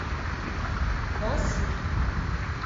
Ḍasi.